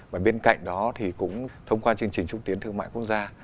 và bên cạnh đó thì cũng thông qua chương trình xúc tiến thương mại quốc gia